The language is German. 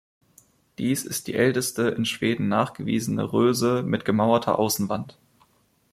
Dies ist die älteste in Schweden nachgewiesene Röse mit gemauerter Außenwand.